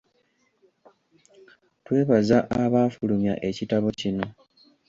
Twebaza abaafulumya ekitabo kino.